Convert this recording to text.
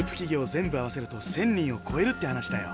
全部合わせると１，０００人をこえるって話だよ。